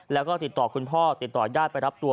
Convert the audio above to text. แล้วก็ติดต่อคุณพ่อติดต่อญาติไปรับตัว